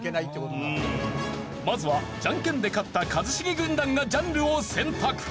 まずはジャンケンで勝った一茂軍団がジャンルを選択。